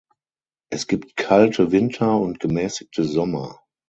Es gibt kalte Winter und gemäßigte Sommer.